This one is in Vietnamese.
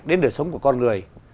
đến đời sống của con người